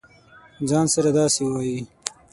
ځـان سره داسې وایې.